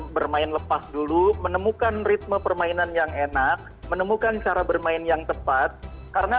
bermain lepas dulu menemukan ritme permainan yang enak menemukan cara bermain yang tepat karena